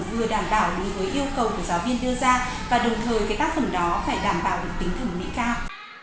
vừa đảm bảo đúng với yêu cầu của giáo viên đưa ra và đồng thời cái tác phẩm đó phải đảm bảo được tính thẩm mỹ cao